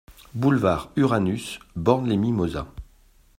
Boulevard Uranus, Bormes-les-Mimosas